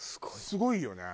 すごいよね。